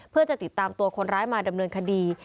เพื่อจะติดตามตัวคนร้ายมาดำเนินคดี